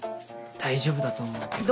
大丈夫だと思うけど。